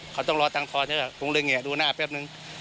เขาต้องรอตังค์ทอนผมก็เลยเหงียดดูหน้าแป๊บนึง